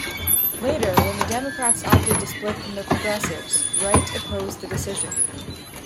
Later, when the Democrats opted to split from the Progressives, Wright opposed the decision.